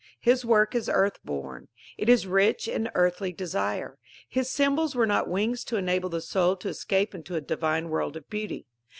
His work is earth born: it is rich in earthly desire. His symbols were not wings to enable the soul to escape into a divine world of beauty.